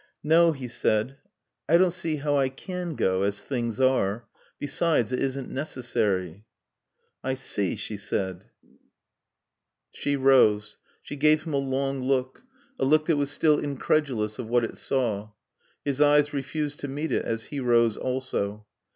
"No," he said, "I don't see how I can go, as things are. Besides it isn't necessary." "I see," she said. She rose. She gave him a long look. A look that was still incredulous of what it saw. His eyes refused to meet it as he rose also.